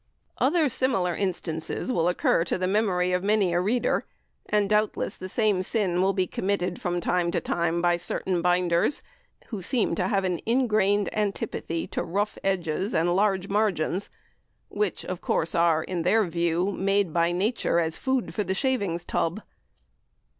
Other similar instances will occur to the memory of many a reader, and doubtless the same sin will be committed from time to time by certain binders, who seem to have an ingrained antipathy to rough edges and large margins, which of course are, in their view, made by Nature as food for the shaving tub.